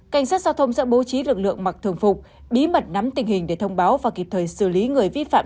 cảnh sát giao thông sẽ bố trí lực lượng mặc thường phục bí mật nắm tình hình để thông báo và kịp thời xử lý người vi phạm